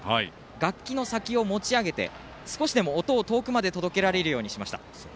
楽器の先を持ち上げて少しでも音を遠くまで届けられるようにしました。